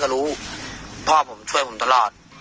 รวมช่วยมากสุด๒๐๐๐